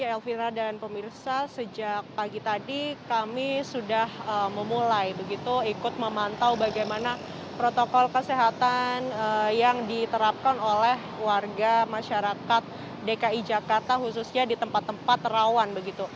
elvira dan pemirsa sejak pagi tadi kami sudah memulai begitu ikut memantau bagaimana protokol kesehatan yang diterapkan oleh warga masyarakat dki jakarta khususnya di tempat tempat rawan